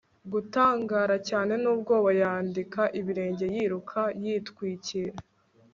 gutangara cyane n'ubwoba, yandika ibirenge yiruka yitwikira